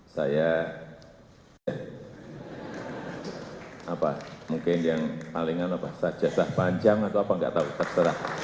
saya apa mungkin yang palingan bahasa jawa panjang atau apa enggak tahu terserah